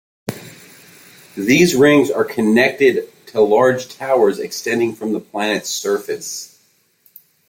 These rings are connected to large towers extending from the planets surface.